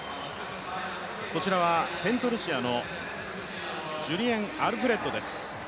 こちらはセントルシアのジュリエン・アルフレッドです。